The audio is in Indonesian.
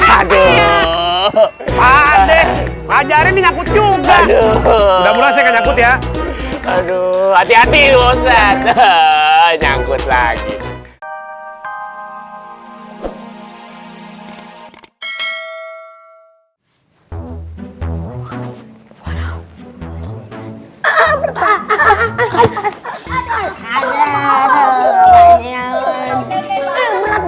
aduh adek majareng ngakut juga udah berhasil ya aduh hati hati bau saat nyangkut lagi